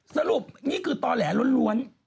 สรุปนี่คือตอแหลล้วน